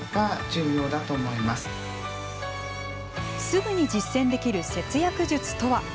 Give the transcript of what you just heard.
すぐに実践できる節約術とは？